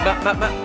mbak mbak mas